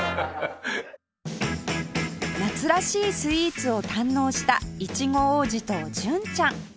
夏らしいスイーツを堪能したイチゴ王子と純ちゃん